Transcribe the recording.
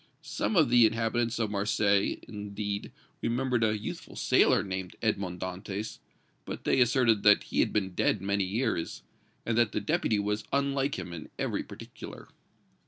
Some of the inhabitants of Marseilles, indeed, remembered a youthful sailor named Edmond Dantès, but they asserted that he had been dead many years, and that the Deputy was unlike him in every particular.